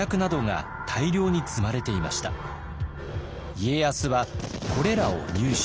家康はこれらを入手。